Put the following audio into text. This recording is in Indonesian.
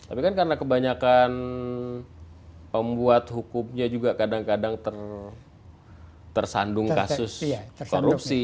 tapi kan karena kebanyakan pembuat hukumnya juga kadang kadang tersandung kasus korupsi